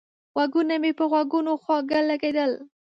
غږونه مې په غوږونو خواږه لگېدل